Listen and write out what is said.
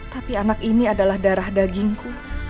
tapi anak ini adalah darah dagingku